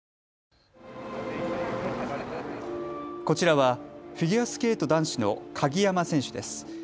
こちらはフィギュアスケート男子の鍵山選手です。